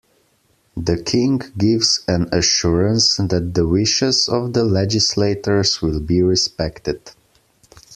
The king gives an assurance that the wishes of the legislators will be respected.